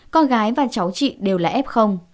con gái và cháu chị đều là f